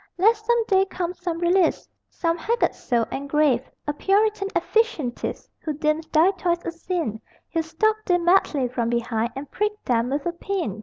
Lest some day come some realist, Some haggard soul and grave, A puritan efficientist Who deems thy toys a sin He'll stalk thee madly from behind And prick them with a pin!